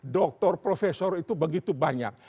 doktor profesor itu begitu banyak